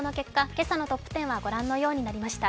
今朝のトップ１０はご覧のようになりました。